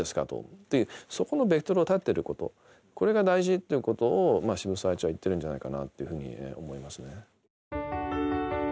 っていうそこのベクトルが立ってることこれが大事っていうことを渋沢栄一は言ってるんじゃないかなっていうふうに思いますね。